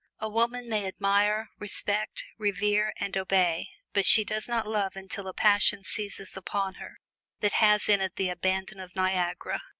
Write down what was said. A woman may admire, respect, revere and obey, but she does not love until a passion seizes upon her that has in it the abandon of Niagara.